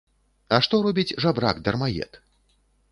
А што робіць жабрак-дармаед?